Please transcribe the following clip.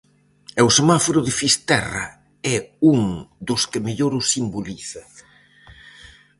E o semáforo de Fisterra é un dos que mellor o simboliza.